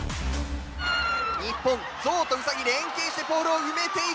日本ゾウとウサギ連携してポールを埋めていきます！